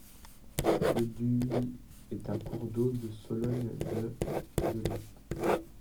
Le Dhuy est un cours d'eau de Sologne de de long.